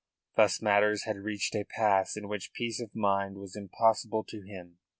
Thus matters had reached a pass in which peace of mind was impossible to him.